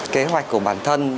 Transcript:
kế hoạch của bản thân